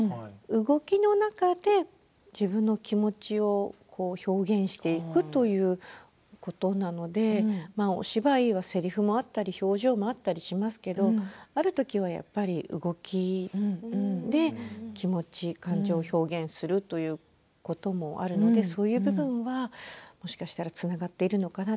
動きの中で自分の気持ちを表現していくということなのでお芝居は、せりふもあったり表情もあったりしますけれどあるときはやっぱり、動きで気持ちや感情を表現するということもあるのでそういう部分は、もしかしたらつながっているのかな